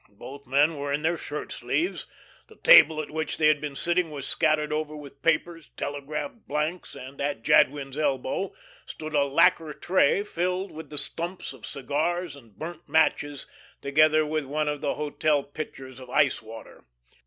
Both men were in their shirt sleeves; the table at which they had been sitting was scattered over with papers, telegraph blanks, and at Jadwin's elbow stood a lacquer tray filled with the stumps of cigars and burnt matches, together with one of the hotel pitchers of ice water.